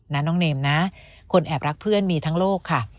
น้องเนมนะคนแอบรักเพื่อนมีทั้งโลกค่ะ